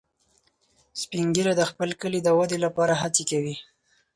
سپین ږیری د خپل کلي د ودې لپاره هڅې کوي